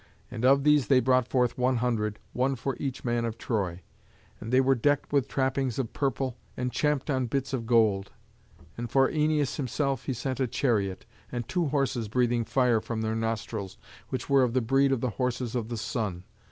And of these they brought forth one hundred, one for each man of Troy; and they were decked with trappings of purple, and champed on bits of gold. And for Æneas himself he sent a chariot, and two horses breathing fire from their nostrils, which were of the breed of the horses of the Sun.